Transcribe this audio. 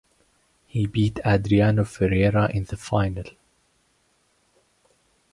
He beat Adriano Ferreira in the final.